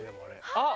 あっ！